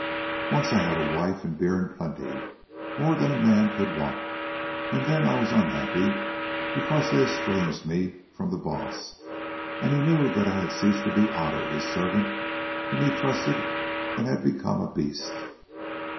Once I had a wife and beer in plenty, more than a man could want, and then I was unhappy, because they estranged me from the Baas, and he knew that I had ceased to be Otter, his servant whom he trusted, and had become a beast.